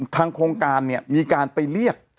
ทางโครงการเนี่ยมีการไปเรียก